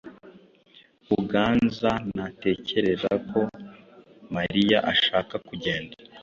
Buganza ntatekereza ko Mariya ashaka kugenda.